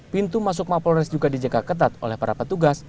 pintu masuk mapolres juga dijaga ketat oleh para petugas